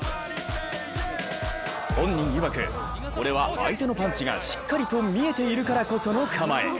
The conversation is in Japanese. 本人いわく、これは相手のパンチがしっかりと見えているからこその構え。